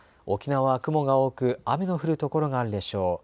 沖縄は雲が多く雨の降る所があるでしょう。